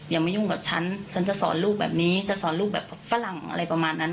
อย่ามายุ่งกับฉันฉันจะสอนลูกแบบนี้จะสอนลูกแบบฝรั่งอะไรประมาณนั้น